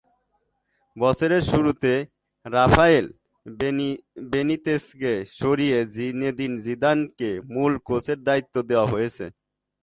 বছরের শুরুতে রাফায়েল বেনিতেজকে সরিয়ে জিনেদিন জিদানকে মূল কোচের দায়িত্ব দেওয়া হয়েছে।